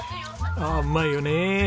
ああうまいよねえ。